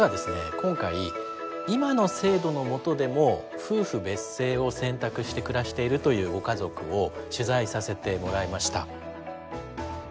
今回今の制度のもとでも夫婦別姓を選択して暮らしているというご家族を取材させてもらいました。